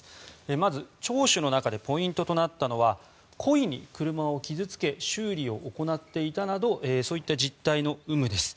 まず、聴取の中でポイントとなったのは故意に車を傷付け修理を行っていたなどそういった実態の有無です。